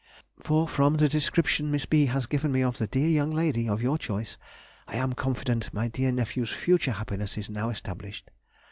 For from the description Miss B. has given me of the dear young lady of your choice, I am confident my dear nephew's future happiness is now established.